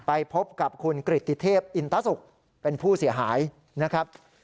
ไปพบกับคุณกริติเทพอินตสุขเป็นผู้เสียหายนะครับ